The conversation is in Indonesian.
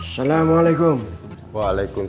bukankah bakaian ip tersebut